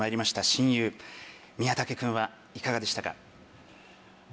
親友宮武君はいかがでしたか？